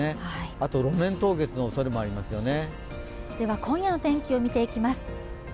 あと路面凍結のおそれもありますね。